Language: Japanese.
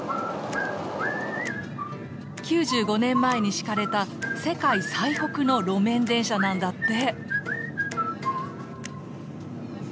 ９５年前に敷かれた世界最北の路面電車なんだって。